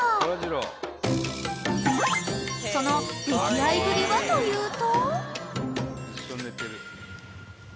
［その溺愛ぶりはというと］